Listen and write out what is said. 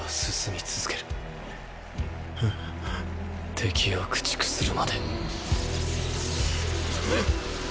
敵を駆逐するまで。！！